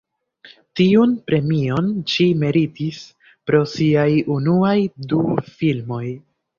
Tiun premion ŝi meritis pro siaj unuaj du filmoj.